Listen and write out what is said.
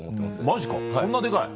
マジかそんなデカい？